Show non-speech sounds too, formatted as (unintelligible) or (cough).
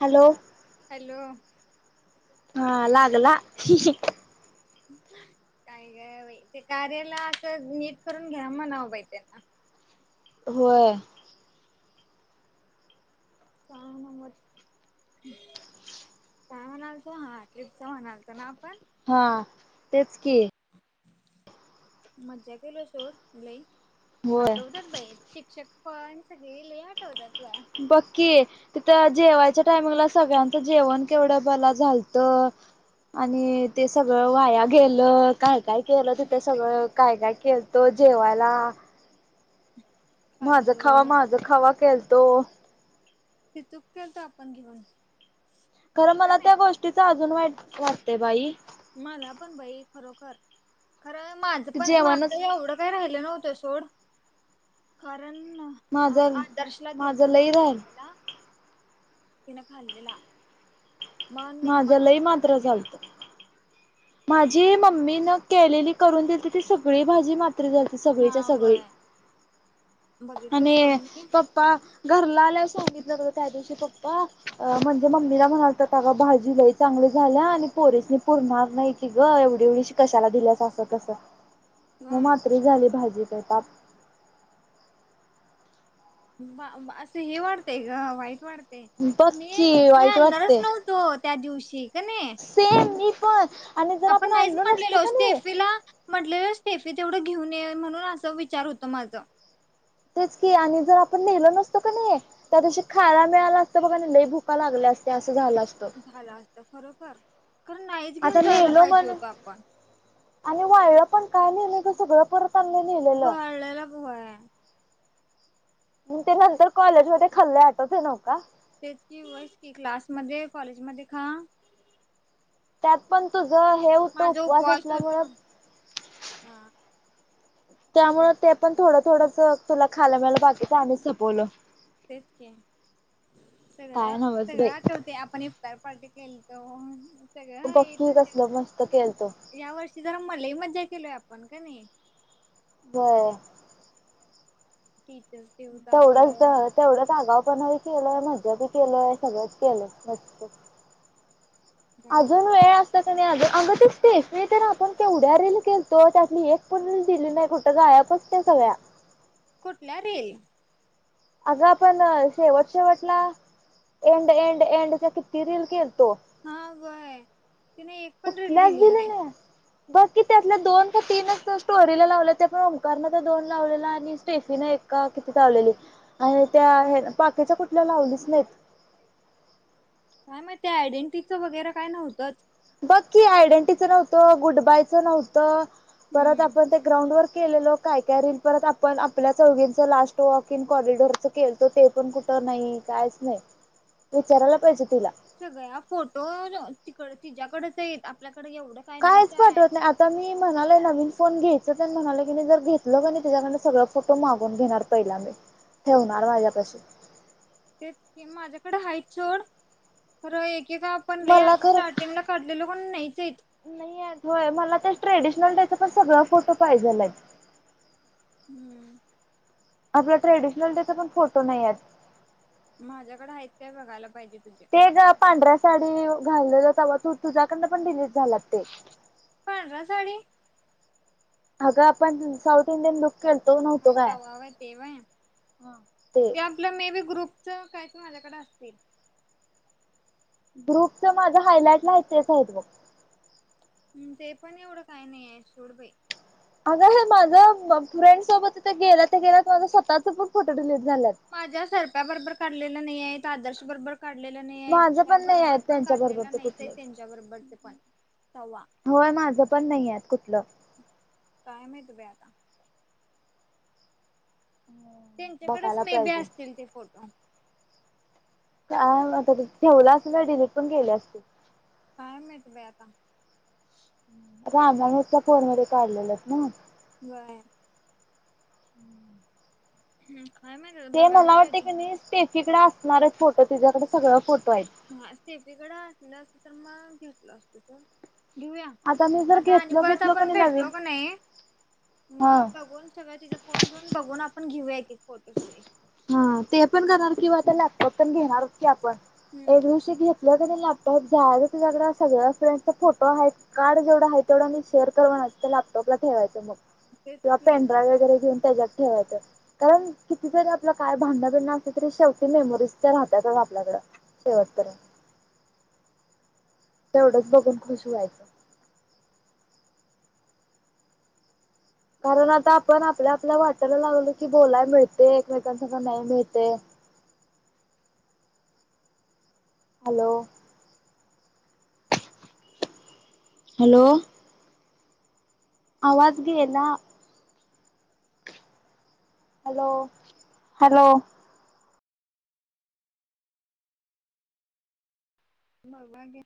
Hello. Hello. हा लागला हि हि. काय ग बाई ते कार्याला असं नीट करून घ्या म्हणाव बाई त्यांना. व्हय. का ना मत काय म्हणायलतो हा ट्रिपचं म्हणायलतो ना आपण? हा तेच की मजा केलो सोड लई होय आठवत्यात बाई शिक्षक पण सगळी लई आठवत्यात. बघ कि टे तर आ जेवायच्या टायमिंगला सगळ्यांचं जेवण केवढं बला झालतं आणि ते सगळं वाया गेलं काय काय केलं तिथे गेलं सगळं काय काय केलतो जेवायला. माझा खावा खाल्लो माझा खावा केलतो. ते चुक केलतो आपण घेऊन खर का मला नाही त्या गोष्टीचं अजून वाईट वाटतयं बाई. मला पण बाई खरोखर खर माझं पण जेवणच माझं एवढं काय राहिलं नव्ह त सोड ख माझं माझं लई माझ्या राह खायला तिनं खाल्लेला मग निम्मा माझं लई डबा तो मात्र राहिलेला चालतं माझी मम्मी न केलेली करून दिलती ती सगळी भाजी मा सगळीच्या हा सगळी व्हय बघितलो सोड आणि मी पप्पा घरला आल्यावर सांगितलं त्या दिवशी पप्पा म्हणजे मम्मीला म्हणालत का भाजीलाई चांगली झाल्या आणि पोरेस पुरणार नाही. ती ग एवढी एवढी श कशाला दिल्याच असत कस म मात्र झाली भाजी ताप बा असं हे वाढतंय ग वाईट वाढत बघ मी की वाईट आनणारच वाटते. नव्हतो त्या दिवशी का नाही सेम मी पण आणि जर आपण नाहीच आणलो नसतो म्हलेलो का नाही स्टेफीला म्हलो स्टेफी तेवढं घेऊन ये म्हणून असं विचार होत माझं. तेच की आणि जर आपण नेहिलो नसतो कानि त्या दिवशी खायला मिळाला असतं बघा ल भुका लागल्या अस झालं असतं. झालं असत खरोखर खरं नाहीच आता घेऊन जायला नेलो पाहिजे म्हणून, होत आपण आणि वाळपण काय केलं ग कसगळं परत आणलं नेलेलं. बळल्याला भ म ते नंतर कॉलेज मध्ये खाले आठवत नव का? तेच की वयस कि क्लासमध्येध्ये कॉलेज मध्ये खा त्यात पण तुझ हे होतं माझा उपवास असल्यामुळं होता हा त्यामु ते पण थोडं थोडंच तुला खायला म्यालं बाकीच आ सपवलं तेच की सगळं काय नव्हच सगळं बाई आठवते आपण काय पार्टी केली तवा हून बघ की थ कसलं मस्त केलतो या वर्षी जरा मल म लई केलोय आपण का नाही. बरं. (inaudible) तेवढंच आपलं तेवढंच आगा पना बी केलंय मजा बी केलय सगळंच केलं मस्त अजून वेळ अस अग ते स्टेफी नाही तर आपण तेवढ्या रील केलतो त्यातली एक पण रील दिली नाही कुठं गय पत्या सगळ्या कुठल्या रिल? अग आपण शेवट शेवटला एंड एंड एंडचा किती रील केलतो. तो व्यय तिने एक पण रिल दिली नाही. बघकी त्यातल्या दोन का तीनच स्टोरीला लावलं त्या पण ओंकार दोन लावलेला आणि स्टेफीन एक. का किती चावलेली आणि त्या पाकीच्या कुठल्या लावलीच नाहीत. ह (inaudible) काय मग ते आयडेंटिटीचं वगैरे काय नव्हतं. बग की आयडेंटीचं नव्हतं. गुड बायचं नव्हतं. परत हम्म आपण त्या ग्राउंड वर केलेलं काय काय रील परत आपण आपल्या चौघींचं लास्ट वॉक इन कॉरिडोरचं केलंतो ते पण कुठं नाही कायच नाही विचारायला पाहिजे. तिला सगळ्या फोटो तिकड तिच्या्याकडच येत आपल्या कायच पाठवत नाही. आता मी म्हणालय नवीन फोन घ्यायच म्हणाले की जर घेतलं क नाही त्याच्याकड सगळं फोटो मागून घेणार पहिला मी ठेवणार माझ्यापशीून ते कि माझ्याकडे हाईट छोड खरं एक का आपण ल मला आधी खरं स्टार्टिंग ला काढलेलो पण नाहीच. त्याचा पण सगळ फोटो पाहिजेलाय हम्म आपला ट्रेडिशनल चा पण फोटो नाही ह्यात माझ्याकडें आहेत काय बघायला पाहिजे तुझे ते ग पांढऱ्या साडी घालले जात व तू तुझ्याकडन पण डिलीट झालात ते पांडरा साडी अग आप साथ इंडियन ल हता हय तेव्हाय ते आपलं मे बी ग्रुप च कायच माझ्याकडे असतील ग्रुपच माझं हायलाइट लाहचच आहेत बघ हम्म ते पण एवढं काही नाही आहे शेवडबाई अग हे माझं फ्रेंड सोबतथ गेला तर गेला माझा स्वतःचा पूण फोटो दिले माझ्या सरप्याबरोबर काढलेलं नाहीय आदर्श बरोबर काढलेलं नाही आहे माझं तुषार पण नाही आहेत बरोबर पण त्यांच्या काढलेलं बरोबरच नाहीच आहे कुठलं. त्यांच्या बरोबरच पण तवा होय माझं पण नाहीय कुठलं कायमच ब्या त्यांच्याकडेच बघायला मे बी पाहिजे असतील ते फोटो आता ठेवलं असेल डिलीट पण केले असतील काय मिनट बयाता रामाणचा फोन मध्ये काढलेलात ना बर हम्म हम्म काय माहित ते बघायला मला वाटते पाहिजे की नाही त्याचीकडे असणार आहे फोटं तुझ्या कडे सगळं फोट हा सेफीकडे असलं असत तर मग घेतलं असत तर (unintelligible) घेऊया मी जर आता आणि घेतलो परत बितलो का आपण नाही नवीन भेटलो का नाही हा मग बघून सगळ्या तिचा फोन घेऊन बघून आपण घेऊया फोटो सगळे हा ते पण करणार किंवा आता लॅपटॉप पण घेणार की आपण एक हम्म. दिवशी घेतलं की लॅपटॉप जाग जग सगळ्या फ्रेंड्सचा फोटो आहे कार्ड जेवढं आहे तेवढं मी शेअर कर ना लागतो तेच की वगैरे घेऊन त्याच्यात आप काय भांडन बिंडन अस असले तरी शेवटी मेमोरीज त्या राहतातच आपल्याकड शेवटपर्यंत (unintelligible) तेवढंच बघून खुश व्हायचं कारण आता आपण आपल्या आपल्या वाटायला लागलो की बोलायला मिळते एकमेकांसारखं नाही मिळते हॅलो हॅलो आवाज गे ला हॅलो हॅलो बघा घे